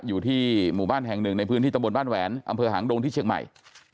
อยู่ที่หมู่บ้านแห่งหนึ่งในพื้นที่ตำบลบ้านแหวนอำเภอหางดงที่เชียงใหม่